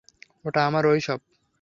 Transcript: ওটা আমার ঐসব।